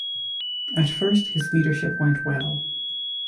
At first his leadership went well.